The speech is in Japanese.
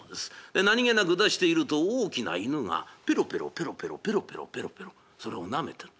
で何気なく出していると大きな犬がペロペロペロペロペロペロペロペロそれをなめてる。